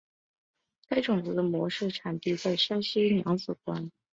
该物种的模式产地在山西娘子关。